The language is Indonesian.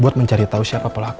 buat mencari tahu siapa pelaku